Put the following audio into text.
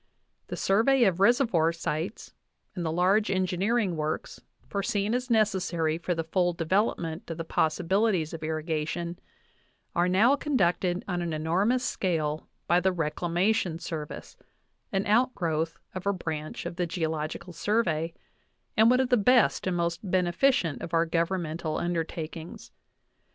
The survey of reservoir sites and the large engineering works, foreseen as necessary for the full developmnt of the possibili ties of irrigation, are now conducted on an enormous scale by the Reclamation Service, an outgrowth of a branch of the Geo logical Survey and one of the best and most beneficent of our governmental undertakings.